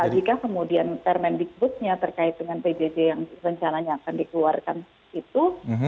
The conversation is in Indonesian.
jika kemudian permendikbudnya terkait dengan pjj yang rencananya akan dikeluarkan itu